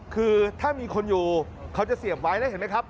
คือถ้ามีคนอยู่เขาจะเสียบไว้แล้วเห็นไหมครับ